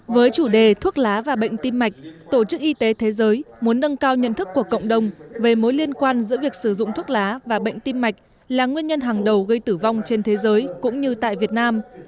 với chủ đề thuốc lá và bệnh tim mạch tổ chức y tế thế giới muốn nâng cao nhận thức của cộng đồng về mối liên quan giữa việc sử dụng thuốc lá và bệnh tim mạch là nguyên nhân hàng đầu gây tử vong trên thế giới cũng như tại việt nam